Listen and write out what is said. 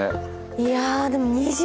いやでも２３。